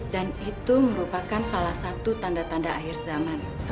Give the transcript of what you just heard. dan itu merupakan salah satu tanda tanda akhir zaman